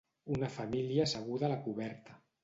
Una família asseguda a la coberta.